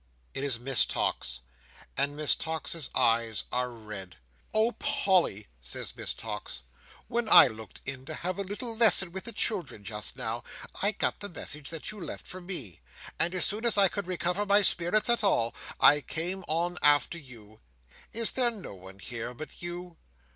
It is Miss Tox, and Miss Tox's eyes are red. "Oh, Polly," says Miss Tox, "when I looked in to have a little lesson with the children just now, I got the message that you left for me; and as soon as I could recover my spirits at all, I came on after you. Is there no one here but you?"